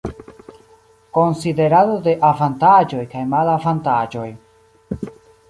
Konsiderado de avantaĝoj kaj malavantaĝoj.